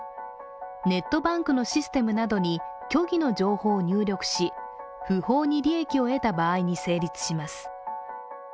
ネットバンクのシステムなどに虚偽の情報を入力し不法に利益を得た場合に成立します。